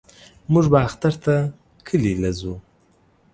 موږ به اختر ته کلي له زو.